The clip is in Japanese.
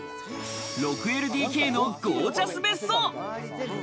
６ＬＤＫのゴージャス別荘。